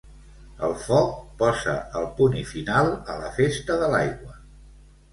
El foc posa el punt i final a la festa de l'aigua.